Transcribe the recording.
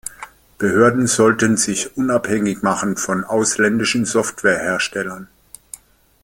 Behörden sollten sich unabhängig machen von ausländischen Software-Herstellern.